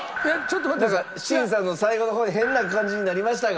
なんか審査の最後の方に変な感じになりましたが。